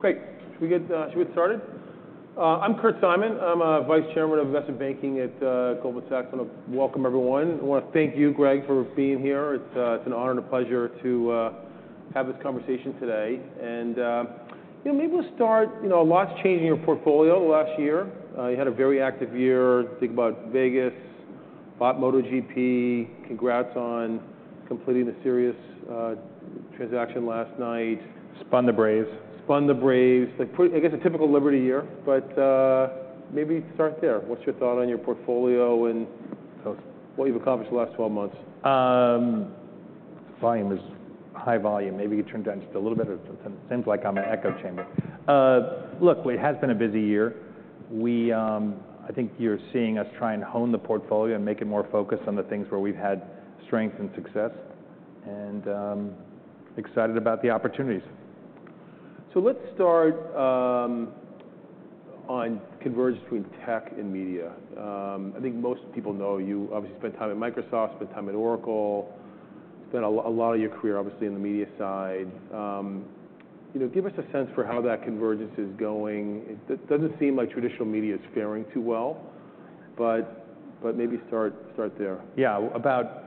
Great. Should we get started? I'm Kurt Simon. I'm Vice Chairman of Investment Banking at Goldman Sachs. I wanna welcome everyone. I wanna thank you, Greg, for being here. It's an honor and a pleasure to have this conversation today. You know, maybe we'll start, you know, a lot's changed in your portfolio in the last year. You had a very active year. Think about Vegas, bought MotoGP. Congrats on completing the Sirius transaction last night. Spun the Braves. Spun the Braves. Like, pretty, I guess, a typical Liberty year, but maybe start there. What's your thought on your portfolio and so what you've accomplished in the last 12 months? Volume is high. Maybe you can turn it down just a little bit? It seems like I'm in an echo chamber. Look, it has been a busy year. We, I think you're seeing us try and hone the portfolio and make it more focused on the things where we've had strength and success, and excited about the opportunities. So let's start on convergence between tech and media. I think most people know you obviously spent time at Microsoft, spent time at Oracle, spent a lot of your career, obviously, in the media side. You know, give us a sense for how that convergence is going. It doesn't seem like traditional media is faring too well, but maybe start there. Yeah. About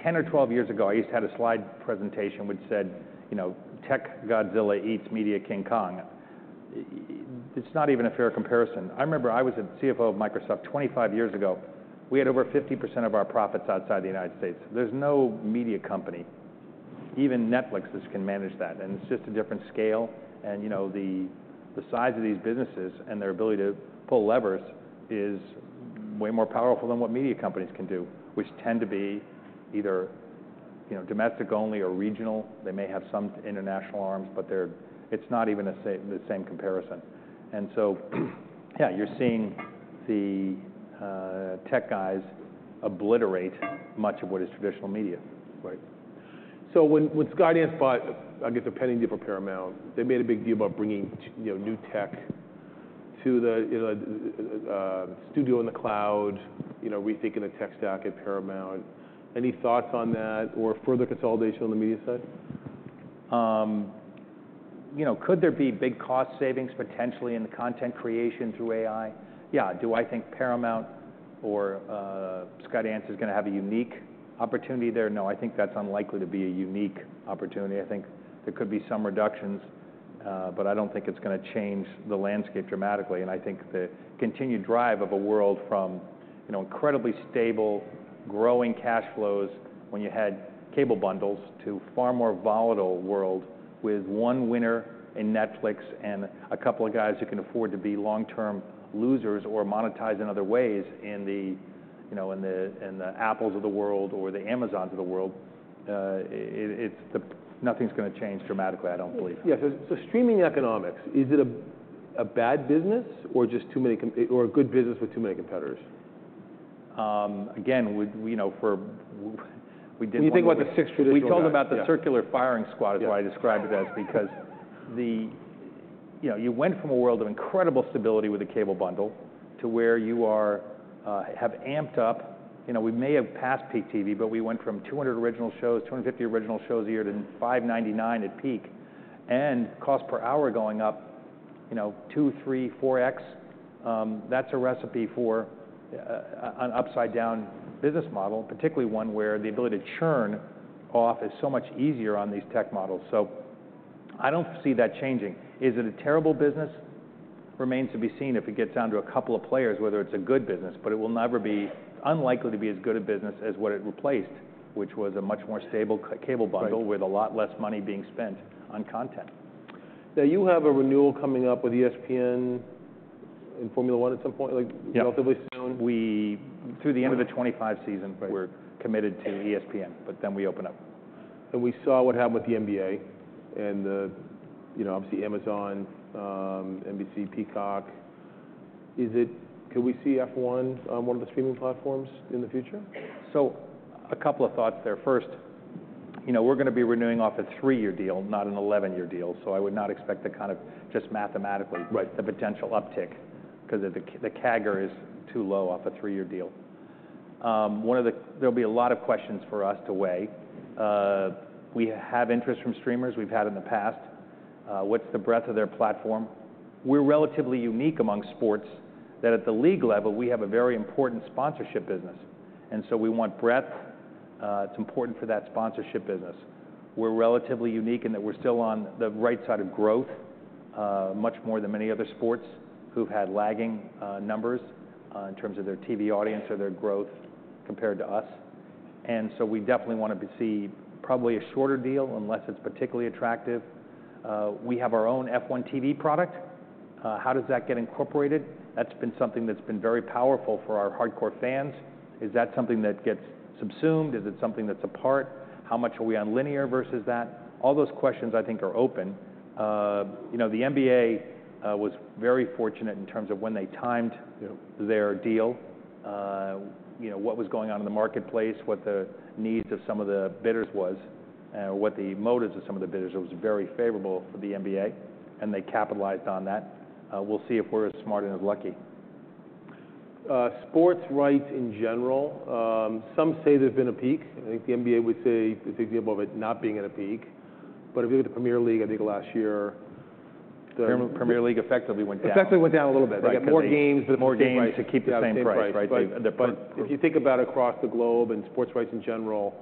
ten or twelve years ago, I used to have a slide presentation which said, you know, "Tech Godzilla eats Media King Kong." It's not even a fair comparison. I remember I was a CFO of Microsoft twenty-five years ago, we had over 50% of our profits outside the United States. There's no media company, even Netflix, that can manage that, and it's just a different scale. And, you know, the size of these businesses and their ability to pull levers is way more powerful than what media companies can do, which tend to be either, you know, domestic only or regional. They may have some international arms, but they're-- it's not even the same comparison. And so yeah, you're seeing the tech guys obliterate much of what is traditional media. Right. So when Skydance bought, I guess, a pending deal for Paramount, they made a big deal about bringing you know, new tech to the, you know, the studio in the cloud, you know, rethinking the tech stack at Paramount. Any thoughts on that or further consolidation on the media side? You know, could there be big cost savings potentially in the content creation through AI? Yeah. Do I think Paramount or Skydance is gonna have a unique opportunity there? No, I think that's unlikely to be a unique opportunity. I think there could be some reductions, but I don't think it's gonna change the landscape dramatically. And I think the continued drive of a world from, you know, incredibly stable, growing cash flows when you had cable bundles, to a far more volatile world with one winner in Netflix and a couple of guys who can afford to be long-term losers or monetized in other ways, in the, you know, in the Apples of the world or the Amazons of the world, it's the... Nothing's gonna change dramatically, I don't believe. Yeah. So, streaming economics, is it a bad business or just too many, or a good business with too many competitors? Again, you know, for we did one of the- When you think about the six traditional- We call them about the circular firing squad- Yeah... is what I describe it as, because the... You know, you went from a world of incredible stability with the cable bundle to where you are, have amped up. You know, we may have passed peak TV, but we went from two hundred original shows, two hundred and fifty original shows a year, to five ninety-nine at peak, and cost per hour going up, you know, two, three, four X. That's a recipe for a, an upside-down business model, particularly one where the ability to churn off is so much easier on these tech models. So I don't see that changing. Is it a terrible business? Remains to be seen if it gets down to a couple of players, whether it's a good business, but it will never be unlikely to be as good a business as what it replaced, which was a much more stable cable bundle. Right... with a lot less money being spent on content. Now, you have a renewal coming up with ESPN in Formula One at some point, like- Yeah... relatively soon? Through the end of the 2025 season- Right... we're committed to ESPN, but then we open up. We saw what happened with the NBA and the, you know, obviously Amazon, NBC, Peacock. Could we see F1 on one of the streaming platforms in the future? So a couple of thoughts there. First, you know, we're gonna be renewing off a three-year deal, not an eleven-year deal, so I would not expect the kind of just mathematically- Right... the potential uptick, 'cause the CAGR is too low off a three-year deal. One of the... There'll be a lot of questions for us to weigh. We have interest from streamers, we've had in the past. What's the breadth of their platform? We're relatively unique among sports that, at the league level, we have a very important sponsorship business, and so we want breadth. It's important for that sponsorship business. We're relatively unique in that we're still on the right side of growth, much more than many other sports who've had lagging numbers, in terms of their TV audience or their growth compared to us. And so we definitely want to see probably a shorter deal, unless it's particularly attractive. We have our own F1 TV product. How does that get incorporated? That's been something that's been very powerful for our hardcore fans. Is that something that gets subsumed? Is it something that's a part? How much are we on linear versus that? All those questions, I think, are open. You know, the NBA was very fortunate in terms of when they timed, you know, their deal, you know, what was going on in the marketplace, what the needs of some of the bidders was, what the motives of some of the bidders was, it was very favorable for the NBA, and they capitalized on that. We'll see if we're as smart and as lucky.... sports rights in general, some say there's been a peak. I think the NBA would say the big example of it not being at a peak. But if you look at the Premier League, I think last year, the- Premier League effectively went down. Effectively went down a little bit, right? They got more games, but- More games to keep the same price, right? But if you think about across the globe and sports rights in general,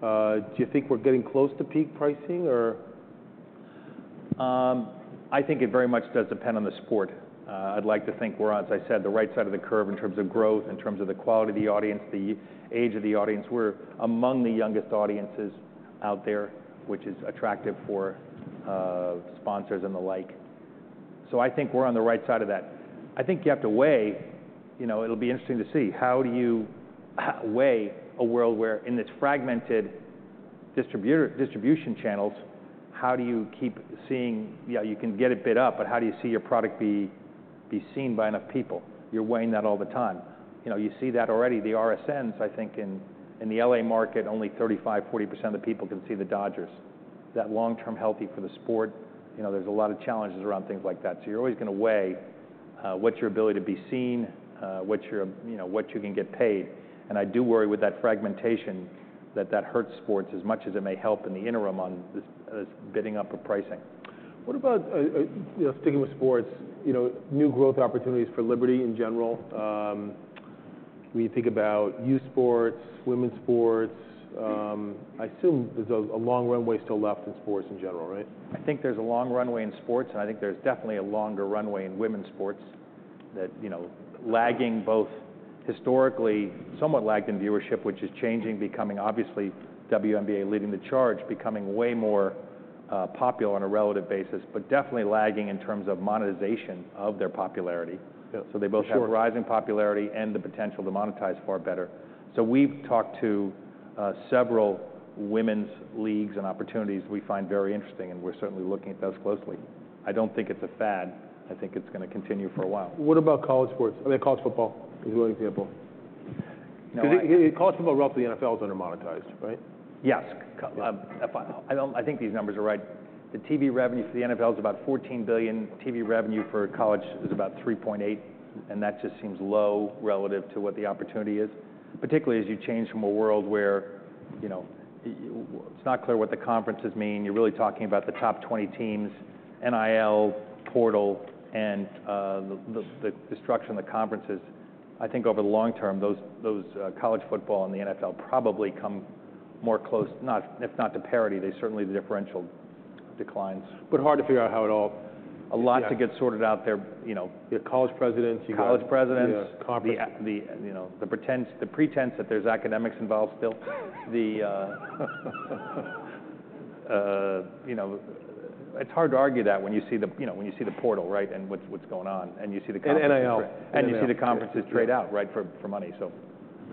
do you think we're getting close to peak pricing or...? I think it very much does depend on the sport. I'd like to think we're, as I said, the right side of the curve in terms of growth, in terms of the quality of the audience, the age of the audience. We're among the youngest audiences out there, which is attractive for sponsors and the like. So I think we're on the right side of that. I think you have to weigh, you know, it'll be interesting to see, how do you weigh a world where in this fragmented distribution channels, how do you keep seeing your product be seen by enough people? You're weighing that all the time. You know, you see that already. The RSNs, I think, in the LA market, only 35-40% of the people can see the Dodgers. Is that long-term healthy for the sport? You know, there's a lot of challenges around things like that. So you're always going to weigh what's your ability to be seen, what's your, you know, what you can get paid. And I do worry with that fragmentation, that hurts sports as much as it may help in the interim on this bidding up of pricing. What about, you know, sticking with sports, you know, new growth opportunities for Liberty in general? When you think about youth sports, women's sports, I assume there's a long runway still left in sports in general, right? I think there's a long runway in sports, and I think there's definitely a longer runway in women's sports that, you know, lagging both historically, somewhat lagged in viewership, which is changing, becoming obviously, WNBA leading the charge, becoming way more, popular on a relative basis, but definitely lagging in terms of monetization of their popularity. Yeah, sure. So they both have a rising popularity and the potential to monetize far better. So we've talked to several women's leagues and opportunities we find very interesting, and we're certainly looking at those closely. I don't think it's a fad. I think it's going to continue for a while. What about college sports? I mean, college football is a good example. No, I- 'Cause college football, roughly, NFL is under-monetized, right? Yes. If I think these numbers are right. The TV revenue for the NFL is about $14 billion. TV revenue for college is about $3.8 billion, and that just seems low relative to what the opportunity is, particularly as you change from a world where, you know, it's not clear what the conferences mean. You're really talking about the top 20 teams, NIL, portal, and the structure in the conferences. I think over the long term, those college football and the NFL probably come more close, not if not to parity, there's certainly the differential declines. But hard to figure out how it all... A lot to get- Yeah... sorted out there. You know, you have college presidents, you got- College presidents- The conference. The pretense that there's academics involved still. You know, it's hard to argue that when you see the portal, right, and what's going on, and you see the conferences- And NIL. You see the conferences trade out- Yeah Right, for money. So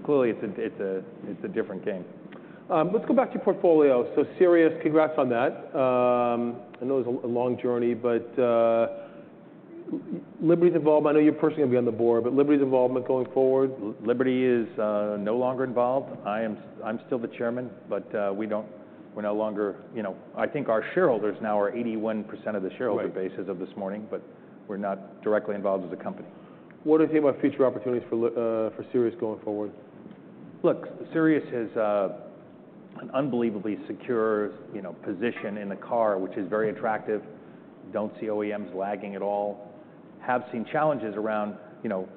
clearly, it's a different game. Let's go back to your portfolio. So Sirius, congrats on that. I know it's a long journey, but Liberty's involved. I know you're personally going to be on the board, but Liberty's involvement going forward? Liberty is no longer involved. I'm still the chairman, but we're no longer... You know, I think our shareholders now are 81% of the shareholder- Right Based as of this morning, but we're not directly involved with the company. What do you think about future opportunities for Sirius going forward? Look, Sirius has an unbelievably secure, you know, position in the car, which is very attractive. Don't see OEMs lagging at all. Have seen challenges around, you know,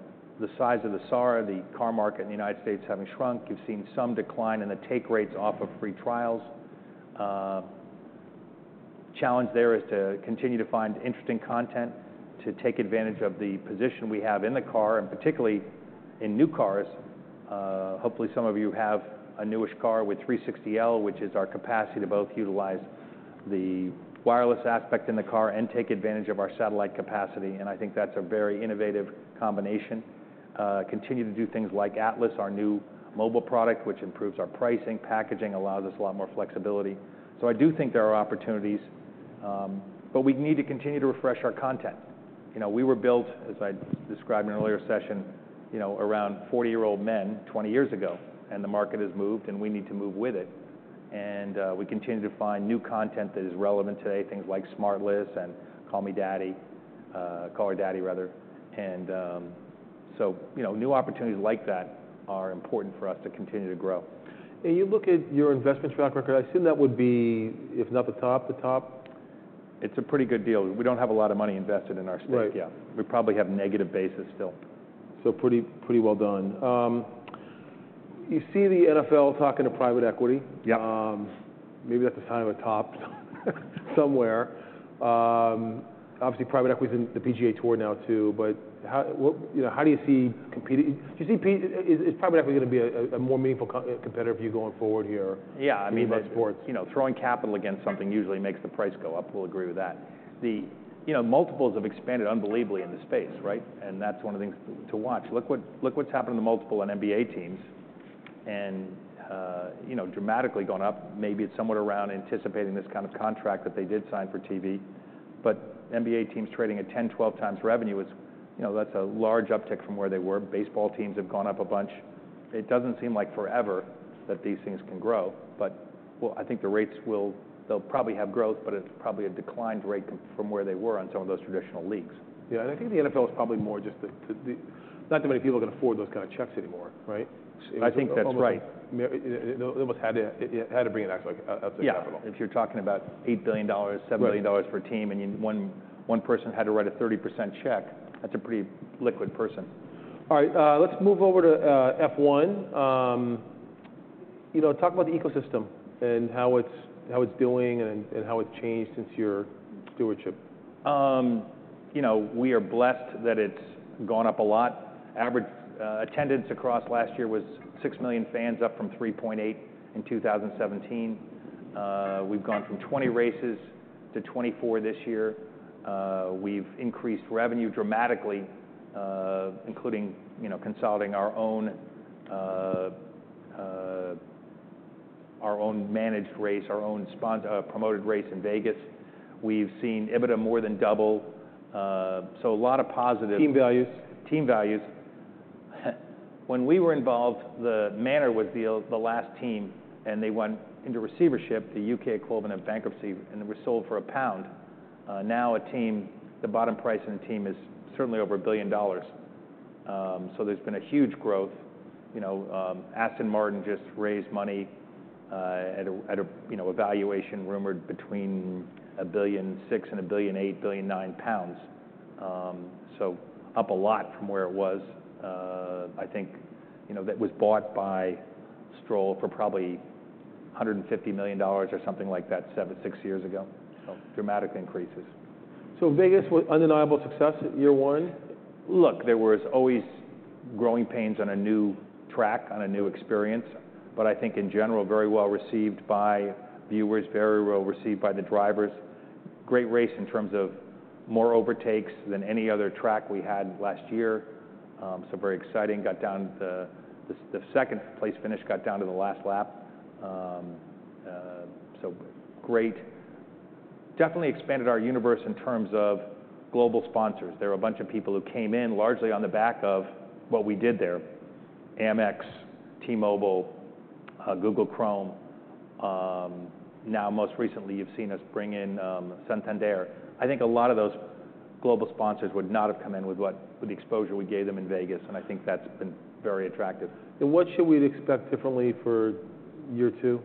the size of the SAR, the car market in the United States having shrunk. You've seen some decline in the take rates off of free trials. Challenge there is to continue to find interesting content, to take advantage of the position we have in the car, and particularly in new cars. Hopefully, some of you have a newish car with 360L, which is our capacity to both utilize the wireless aspect in the car and take advantage of our satellite capacity, and I think that's a very innovative combination. Continue to do things like Atlas, our new mobile product, which improves our pricing, packaging, allows us a lot more flexibility. So I do think there are opportunities, but we need to continue to refresh our content. You know, we were built, as I described in an earlier session, you know, around forty-year-old men twenty years ago, and the market has moved, and we need to move with it. And we continue to find new content that is relevant today, things like SmartLess and Call Her Daddy, rather. And so you know, new opportunities like that are important for us to continue to grow. You look at your investment track record, I assume that would be, if not the top, the top? It's a pretty good deal. We don't have a lot of money invested in our space. Right. Yeah. We probably have negative basis still. So, pretty, pretty well done. You see the NFL talking to private equity. Yeah. Maybe that's a sign of a top somewhere. Obviously, private equity in the PGA Tour now, too, but you know, how do you see competing? Do you see private equity going to be a more meaningful competitor for you going forward here? Yeah, I mean- In these sports... you know, throwing capital against something usually makes the price go up. We'll agree with that. The, you know, multiples have expanded unbelievably in this space, right? And that's one of the things to watch. Look what, look what's happened to multiples on NBA teams, and, you know, dramatically gone up. Maybe it's somewhat around anticipating this kind of contract that they did sign for TV, but NBA teams trading at 10, 12 times revenue is, you know, that's a large uptick from where they were. Baseball teams have gone up a bunch. It doesn't seem like forever that these things can grow, but well, I think the rates will they'll probably have growth, but it's probably a declined rate from where they were on some of those traditional leagues. Yeah, and I think the NFL is probably more just the not that many people can afford those kind of checks anymore, right? I think that's right. Almost, they almost had to bring in extra capital. Yeah, if you're talking about $8 billion- Right... $7 billion per team, and you, one person had to write a 30% check, that's a pretty liquid person. All right, let's move over to F1. You know, talk about the ecosystem and how it's doing and how it's changed since your stewardship. You know, we are blessed that it's gone up a lot. Average attendance across last year was 6 million fans, up from 3.8 in 2017. We've gone from 20 races to 24 this year. We've increased revenue dramatically, including, you know, consolidating our own managed race, our own promoted race in Vegas. We've seen EBITDA more than double. So a lot of positive- Team values? Team values. When we were involved, the Manor was the last team, and they went into receivership, the U.K. equivalent of bankruptcy, and it was sold for GBP 1. Now a team, the bottom price in a team is certainly over $1 billion. So there's been a huge growth. You know, Aston Martin just raised money at a valuation rumored between 1.6 billion and 1.8 billion-1.9 billion pounds. So up a lot from where it was. I think, you know, that was bought by Stroll for probably $150 million or something like that, seven, six years ago. So dramatic increases. Vegas was undeniable success, year one? Look, there was always growing pains on a new track, on a new experience, but I think in general, very well-received by viewers, very well-received by the drivers. Great race in terms of more overtakes than any other track we had last year. So very exciting. The second place finish got down to the last lap. So great. Definitely expanded our universe in terms of global sponsors. There were a bunch of people who came in largely on the back of what we did there: Amex, T-Mobile, Google Chrome. Now, most recently, you've seen us bring in Santander. I think a lot of those global sponsors would not have come in with what, with the exposure we gave them in Vegas, and I think that's been very attractive. What should we expect differently for year two?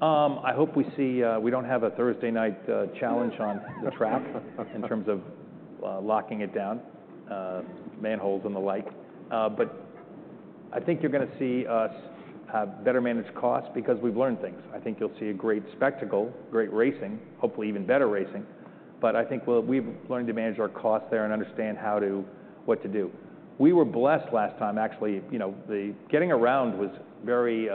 I hope we see we don't have a Thursday night challenge on the track in terms of locking it down, manholes and the like. But I think you're gonna see us better manage costs because we've learned things. I think you'll see a great spectacle, great racing, hopefully even better racing. But I think we've learned to manage our costs there and understand how to... what to do. We were blessed last time, actually, you know, the getting around was very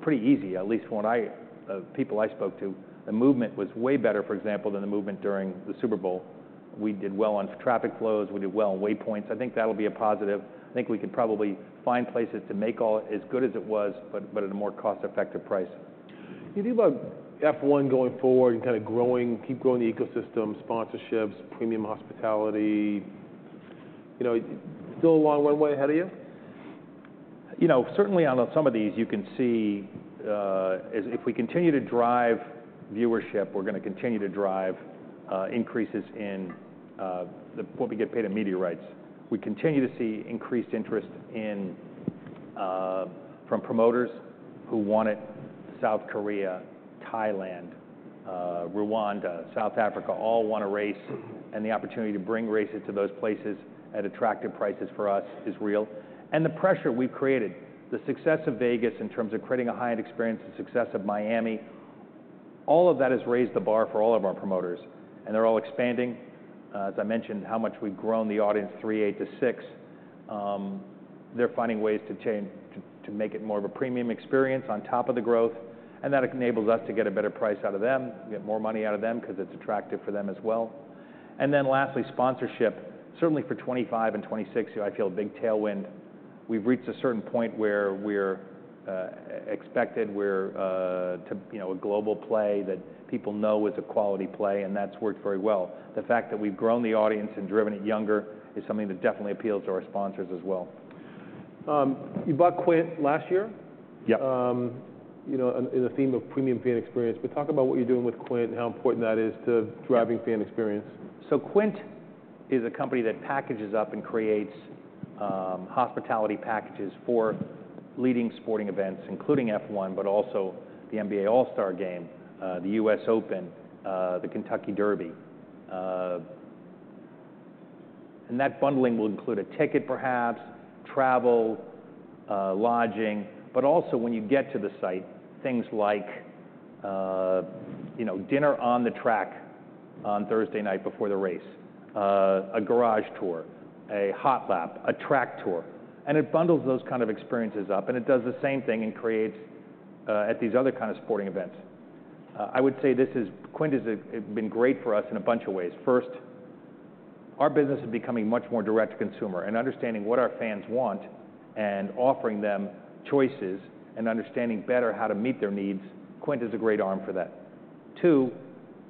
pretty easy, at least the people I spoke to. The movement was way better, for example, than the movement during the Super Bowl. We did well on traffic flows. We did well on waypoints. I think that'll be a positive. I think we could probably find places to make all as good as it was, but at a more cost-effective price. You think about F1 going forward and kinda growing, keep growing the ecosystem, sponsorships, premium hospitality, you know, still a long way ahead of you? You know, certainly on some of these, you can see, as if we continue to drive viewership, we're gonna continue to drive increases in what we get paid in media rights. We continue to see increased interest from promoters who want in South Korea, Thailand, Rwanda, South Africa; all want to race, and the opportunity to bring races to those places at attractive prices for us is real. The pressure we've created, the success of Vegas in terms of creating a high-end experience, the success of Miami, all of that has raised the bar for all of our promoters, and they're all expanding. As I mentioned, how much we've grown the audience, 3.8 to 6. They're finding ways to change to make it more of a premium experience on top of the growth, and that enables us to get a better price out of them, get more money out of them because it's attractive for them as well. And then lastly, sponsorship. Certainly for 2025 and 2026, I feel a big tailwind. We've reached a certain point where we're expected to, you know, a global play that people know is a quality play, and that's worked very well. The fact that we've grown the audience and driven it younger is something that definitely appeals to our sponsors as well. You bought Quint last year? Yep. You know, in the theme of premium fan experience, but talk about what you're doing with Quint and how important that is to driving fan experience. So Quint is a company that packages up and creates, hospitality packages for leading sporting events, including F1, but also the NBA All-Star game, the U.S. Open, the Kentucky Derby. And that bundling will include a ticket, perhaps, travel, lodging, but also when you get to the site, things like, you know, dinner on the track on Thursday night before the race, a garage tour, a hot lap, a track tour. And it bundles those kind of experiences up, and it does the same thing and creates, at these other kind of sporting events. I would say this is Quint has been great for us in a bunch of ways. First, our business is becoming much more direct to consumer and understanding what our fans want and offering them choices and understanding better how to meet their needs. Quint is a great arm for that. Two,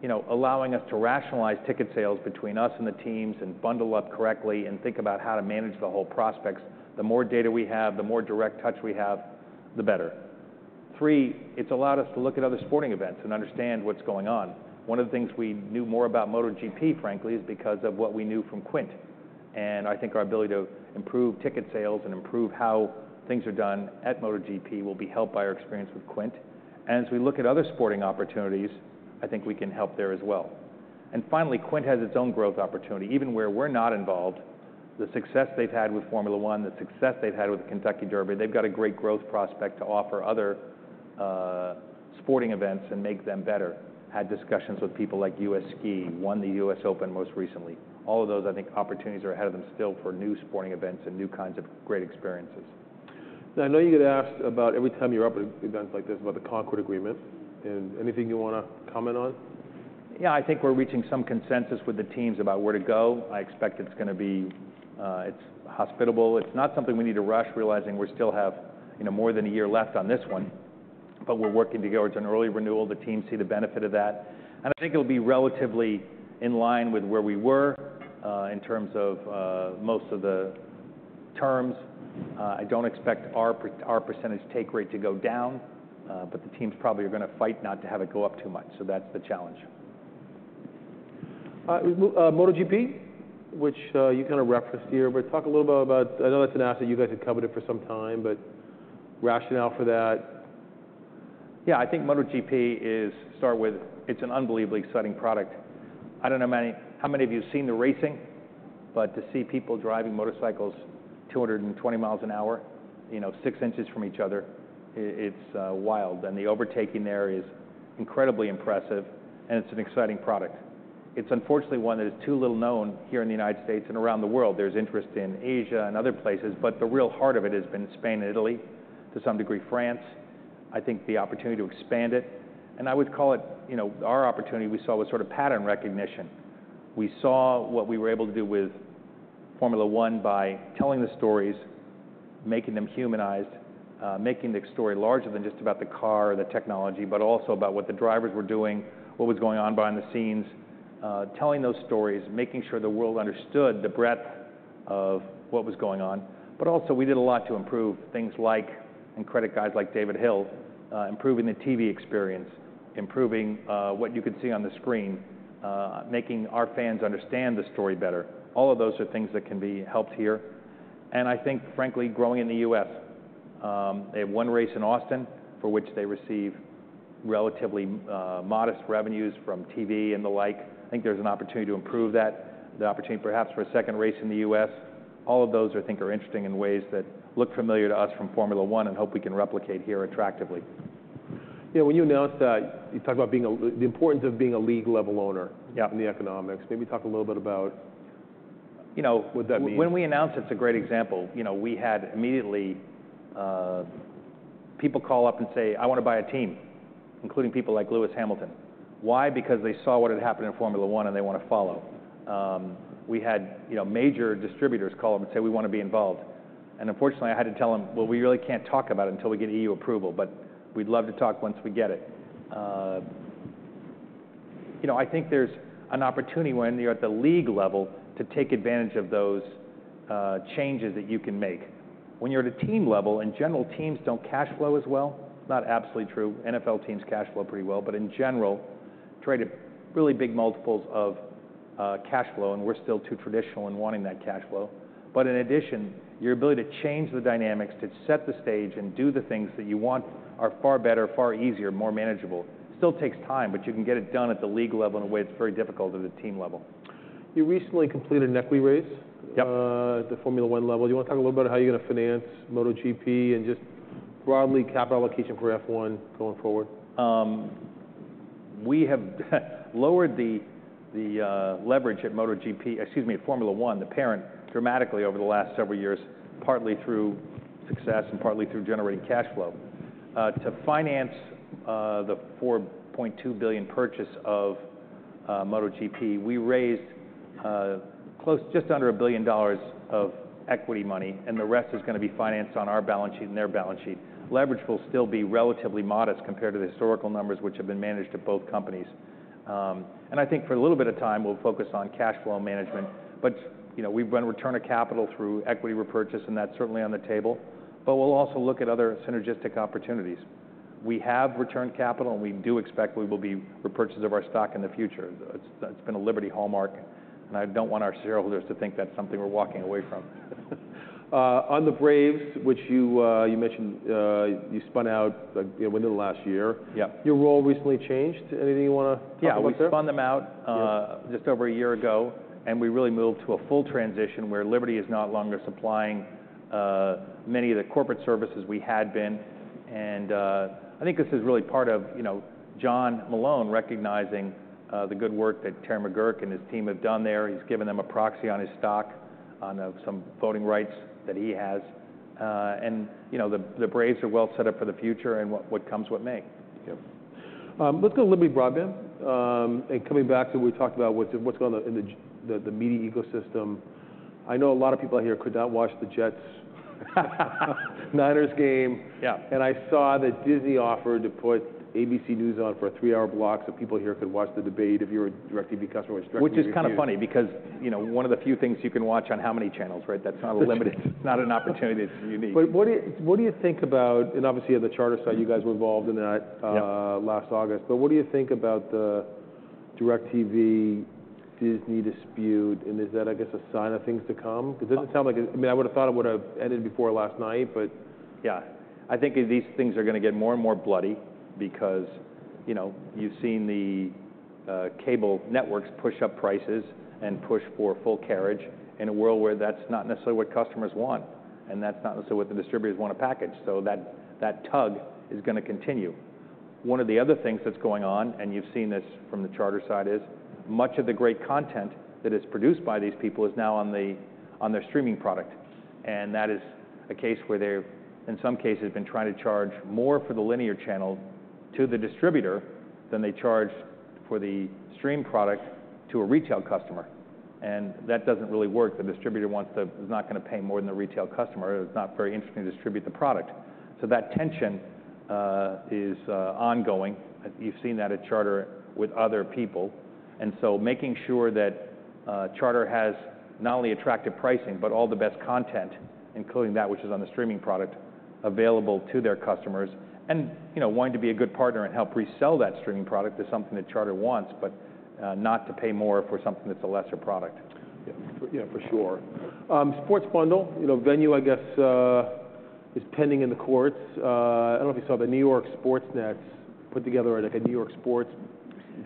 you know, allowing us to rationalize ticket sales between us and the teams and bundle up correctly and think about how to manage the whole prospects. The more data we have, the more direct touch we have, the better. Three, it's allowed us to look at other sporting events and understand what's going on. One of the things we knew more about MotoGP, frankly, is because of what we knew from Quint. And I think our ability to improve ticket sales and improve how things are done at MotoGP will be helped by our experience with Quint. And as we look at other sporting opportunities, I think we can help there as well. Finally, QuintEvents has its own growth opportunity. Even where we're not involved, the success they've had with Formula One, the success they've had with Kentucky Derby, they've got a great growth prospect to offer other, sporting events and make them better. Had discussions with people like U.S. Ski, won the U.S. Open most recently. All of those, I think, opportunities are ahead of them still for new sporting events and new kinds of great experiences. Now, I know you get asked about every time you're up at events like this about the Concord Agreement, and anything you wanna comment on? Yeah, I think we're reaching some consensus with the teams about where to go. I expect it's gonna be, it's hospitable. It's not something we need to rush, realizing we still have, you know, more than a year left on this one, but we're working together towards an early renewal. The teams see the benefit of that, and I think it'll be relatively in line with where we were, in terms of most of the terms. I don't expect our percentage take rate to go down, but the teams probably are gonna fight not to have it go up too much, so that's the challenge. MotoGP, which you kinda referenced here, but talk a little about... I know that's an asset you guys have coveted for some time, but rationale for that? Yeah, I think MotoGP is, to start with, it's an unbelievably exciting product. I don't know how many of you have seen the racing, but to see people driving motorcycles two hundred and twenty miles an hour, you know, six inches from each other, it's wild, and the overtaking there is incredibly impressive, and it's an exciting product. It's unfortunately one that is too little known here in the United States and around the world. There's interest in Asia and other places, but the real heart of it has been Spain and Italy, to some degree, France. I think the opportunity to expand it, and I would call it, you know, our opportunity we saw was sort of pattern recognition. We saw what we were able to do with Formula One by telling the stories, making them humanized, making the story larger than just about the car or the technology, but also about what the drivers were doing, what was going on behind the scenes, telling those stories, making sure the world understood the breadth of what was going on. But also, we did a lot to improve things like, and credit guys like David Hill, improving the TV experience, improving, what you could see on the screen, making our fans understand the story better. All of those are things that can be helped here, and I think, frankly, growing in the U.S. They have one race in Austin, for which they receive relatively, modest revenues from TV and the like. I think there's an opportunity to improve that, the opportunity perhaps for a second race in the U.S. All of those I think are interesting in ways that look familiar to us from Formula One and hope we can replicate here attractively. Yeah, when you announced that, you talked about the importance of being a league-level owner- Yeah... in the economics. Maybe talk a little bit about, you know, what that means. When we announced it, it's a great example. You know, we had immediately people call up and say, "I wanna buy a team," including people like Lewis Hamilton. Why? Because they saw what had happened in Formula One, and they want to follow. We had, you know, major distributors call up and say, "We wanna be involved." And unfortunately, I had to tell them, "Well, we really can't talk about it until we get EU approval, but we'd love to talk once we get it." You know, I think there's an opportunity when you're at the league level to take advantage of those changes that you can make. When you're at a team level, in general, teams don't cash flow as well. Not absolutely true. NFL teams cash flow pretty well, but in general, trade at really big multiples of cash flow, and we're still too traditional in wanting that cash flow. But in addition, your ability to change the dynamics, to set the stage and do the things that you want, are far better, far easier, more manageable. Still takes time, but you can get it done at the league level in a way that's very difficult at the team level. You recently completed an equity raise. Yep... at the Formula One level. You want to talk a little about how you're gonna finance MotoGP and just broadly, capital allocation for F1 going forward? We have lowered the leverage at MotoGP. Excuse me, Formula One, the parent, dramatically over the last several years, partly through success and partly through generating cash flow. To finance the $4.2 billion purchase of MotoGP, we raised just under $1 billion of equity money, and the rest is gonna be financed on our balance sheet and their balance sheet. Leverage will still be relatively modest compared to the historical numbers which have been managed at both companies. I think for a little bit of time, we'll focus on cash flow management, but you know, we've run return on capital through equity repurchase, and that's certainly on the table. But we'll also look at other synergistic opportunities. We have returned capital, and we do expect we will be repurchasing of our stock in the future. That's, that's been a Liberty hallmark, and I don't want our shareholders to think that's something we're walking away from. On the Braves, which you mentioned, you spun out, you know, within the last year. Yeah. Your role recently changed. Anything you wanna talk about there? Yeah, we spun them out- Yeah... just over a year ago, and we really moved to a full transition where Liberty is no longer supplying many of the corporate services we had been. And I think this is really part of, you know, John Malone recognizing the good work that Terry McGuirk and his team have done there. He's given them a proxy on his stock, on some voting rights that he has. And, you know, the Braves are well set up for the future and what comes with May. Yep. Let's go to Liberty Broadband, and coming back to what we talked about, what's going on in the media ecosystem. I know a lot of people out here could not watch the Jets-Niners game. Yeah. I saw that Disney offered to put ABC News on for a three-hour block, so people here could watch the debate if you're a DirecTV customer, which DirecTV refused. Which is kind of funny because, you know, one of the few things you can watch on how many channels, right? That's kind of limited. It's not an opportunity that's unique. What do you think about... And obviously, on the Charter side, you guys were involved in that. Yeah... last August, but what do you think about the DirecTV-Disney dispute, and is that, I guess, a sign of things to come? 'Cause it doesn't sound like, I mean, I would've thought it would've ended before last night, but- Yeah. I think these things are gonna get more and more bloody because, you know, you've seen the cable networks push up prices and push for full carriage in a world where that's not necessarily what customers want, and that's not necessarily what the distributors want to package, so that tug is gonna continue. One of the other things that's going on, and you've seen this from the Charter side, is much of the great content that is produced by these people is now on their streaming product. And that is a case where they've, in some cases, been trying to charge more for the linear channel to the distributor than they charge for the stream product to a retail customer, and that doesn't really work. The distributor is not gonna pay more than the retail customer. It's not very interesting to distribute the product. So that tension is ongoing. You've seen that at Charter with other people, and so making sure that Charter has not only attractive pricing, but all the best content, including that which is on the streaming product, available to their customers. And, you know, wanting to be a good partner and help resell that streaming product is something that Charter wants, but not to pay more for something that's a lesser product. Yeah, yeah, for sure. Sports bundle, you know, Venu, I guess, is pending in the courts. I don't know if you saw the New York sports nets put together, like, a New York sports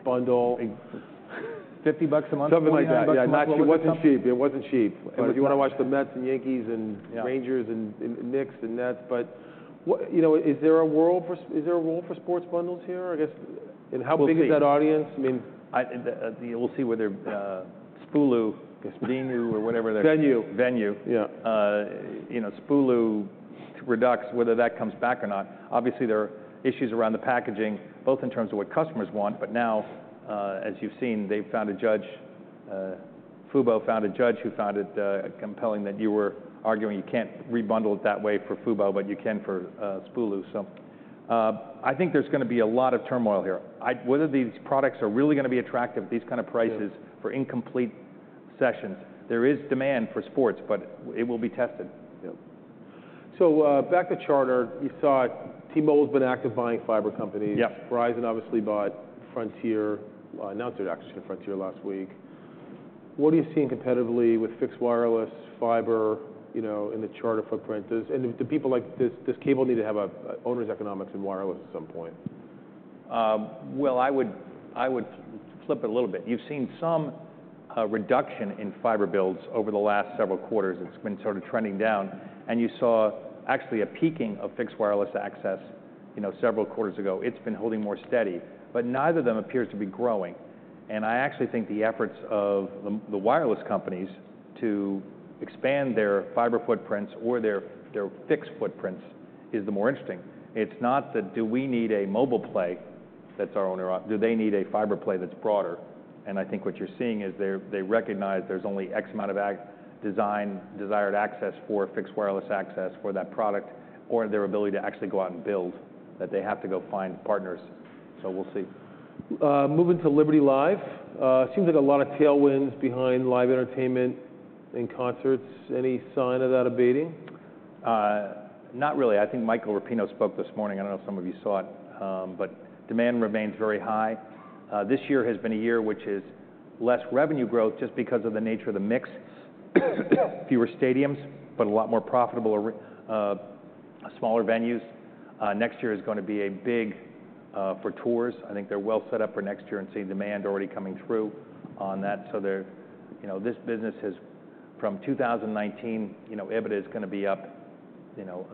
bundle. $50 a month? Something like that. $29 a month or something? It wasn't cheap. It wasn't cheap. But- If you wanna watch the Mets and Yankees and- Yeah... Rangers and Knicks and Nets, but what... You know, is there a role for sports bundles here, I guess? We'll see. How big is that audience? I mean, we'll see whether Spulu, Venu, or whatever their- Venu. Venu. Yeah. You know, Spulu Redux, whether that comes back or not. Obviously, there are issues around the packaging, both in terms of what customers want, but now, as you've seen, they've found a judge, Fubo found a judge who found it compelling that you were arguing you can't rebundle it that way for Fubo, but you can for Spulu. So, I think there's gonna be a lot of turmoil here. Whether these products are really gonna be attractive at these kind of prices- Yeah... for incomplete sessions. There is demand for sports, but it will be tested. Yeah. So, back to Charter, you saw T-Mobile's been active buying fiber companies. Yeah. Verizon obviously bought Frontier, announced it actually last week. What are you seeing competitively with fixed wireless fiber, you know, in the Charter footprint? And do people like this? Does cable need to have a owner's economics in wireless at some point? I would flip it a little bit. You've seen some reduction in fiber builds over the last several quarters. It's been sort of trending down, and you saw actually a peaking of fixed wireless access, you know, several quarters ago. It's been holding more steady, but neither of them appears to be growing, and I actually think the efforts of the wireless companies to expand their fiber footprints or their fixed footprints is the more interesting. It's not, do we need a mobile play that's our own? Do they need a fiber play that's broader? I think what you're seeing is they recognize there's only X amount of access design, desired access for fixed wireless access for that product, or their ability to actually go out and build, that they have to go find partners. We'll see. Moving to Liberty Live, seems like a lot of tailwinds behind live entertainment and concerts. Any sign of that abating? Not really. I think Michael Rapino spoke this morning. I don't know if some of you saw it, but demand remains very high. This year has been a year which is less revenue growth just because of the nature of the mix. Fewer stadiums, but a lot more profitable smaller venues. Next year is gonna be big for tours. I think they're well set up for next year and seeing demand already coming through on that. So they're... You know, this business has, from two thousand and nineteen, you know, EBITDA is gonna be up, you know,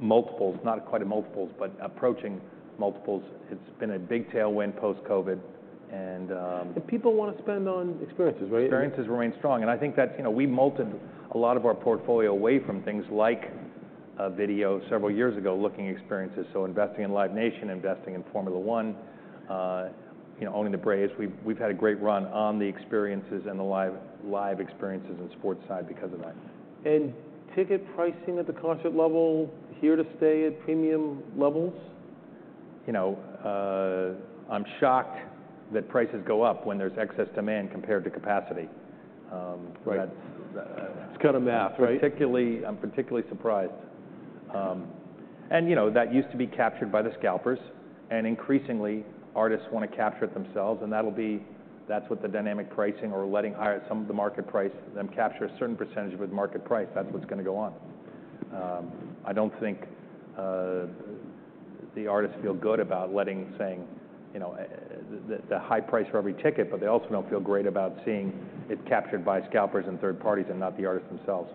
multiples, not quite multiples, but approaching multiples. It's been a big tailwind post-COVID, and People want to spend on experiences, right? Experiences remain strong, and I think that's, you know, we molded a lot of our portfolio away from things like video several years ago, looking at experiences, so investing in Live Nation, investing in Formula 1, you know, owning the Braves. We've had a great run on the experiences and the live experiences and sports side because of that. Ticket pricing at the concert level, here to stay at premium levels? You know, I'm shocked that prices go up when there's excess demand compared to capacity. Right... that's, It's kind of math, right? Particularly, I'm particularly surprised, and you know, that used to be captured by the scalpers, and increasingly, artists want to capture it themselves, and that'll be... That's what the dynamic pricing or letting higher some of the market price, them capture a certain percentage of the market price, that's what's gonna go on. I don't think the artists feel good about saying, you know, the high price for every ticket, but they also don't feel great about seeing it captured by scalpers and third parties and not the artists themselves.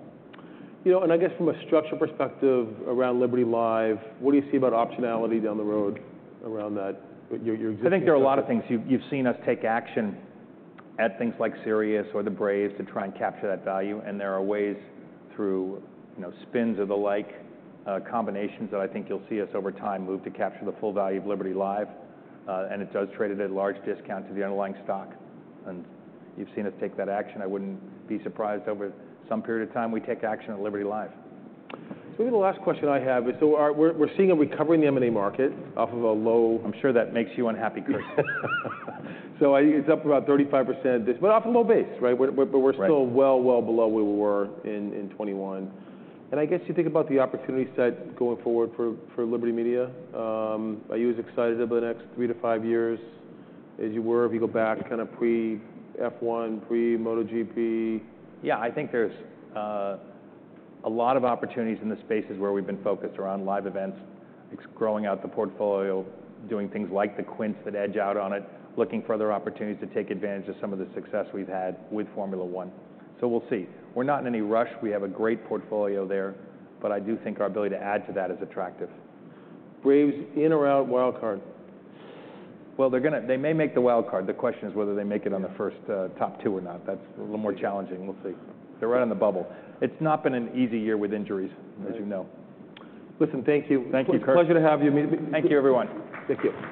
You know, and I guess from a structure perspective around Liberty Live, what do you see about optionality down the road around that, with your existing- I think there are a lot of things. You've seen us take action at things like Sirius or the Braves to try and capture that value, and there are ways through, you know, spins or the like, combinations that I think you'll see us over time move to capture the full value of Liberty Live. And it does trade at a large discount to the underlying stock, and you've seen us take that action. I wouldn't be surprised if over some period of time we take action on Liberty Live. So maybe the last question I have is, so are we seeing a recovery in the M&A market off of a low- I'm sure that makes you unhappy, Chris. It's up about 35% but off a low base, right? We're, we're- Right... but we're still well, well below where we were in 2021. And I guess you think about the opportunity set going forward for Liberty Media. Are you as excited about the next three to five years as you were if you go back kind of pre-F1, pre-MotoGP? Yeah, I think there's a lot of opportunities in the spaces where we've been focused, around live events, growing out the portfolio, doing things like the Quint acquisition, looking for other opportunities to take advantage of some of the success we've had with Formula One. So we'll see. We're not in any rush. We have a great portfolio there, but I do think our ability to add to that is attractive. Braves, in or out wild card? They may make the wild card. The question is whether they make it on the first, top two or not. That's a little more challenging. We'll see. They're right on the bubble. It's not been an easy year with injuries. Right... as you know. Listen, thank you. Thank you, Chris. Pleasure to have you. Thank you, everyone. Thank you.